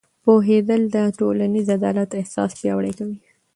پوهېدل د ټولنیز عدالت احساس پیاوړی کوي.